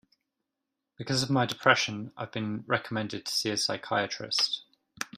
Because of my depression, I have been recommended to see a psychiatrist.